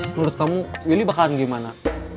menurut kamu willy bakalan gimana